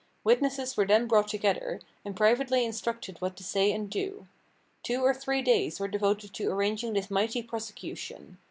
Witnesses were then brought together, and privately instructed what to say and do. Two or three days were devoted to arranging this mighty prosecution.